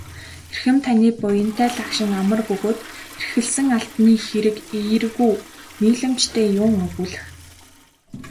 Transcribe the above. Эрхэм таны буянтай лагшин амар бөгөөд эрхэлсэн албаны хэрэг эергүү нийлэмжтэй юун өгүүлэх.